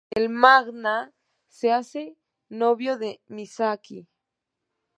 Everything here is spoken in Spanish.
En el manga se hace novio de Misaki.